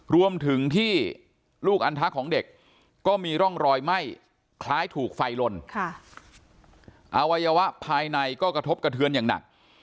รวมถึงที่ลูกอันทะของเด็กก็มีร่องรอยไหม้คล้ายถูกไฟลนอวัยวะภายในก็กระทบกระเทือนอย่างหนัก